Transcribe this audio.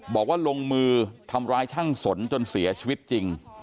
บอกว่าลงมือทำร้ายช่างสนจนเสียชีวิตจริง